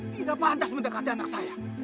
tidak pantas mendekati anak saya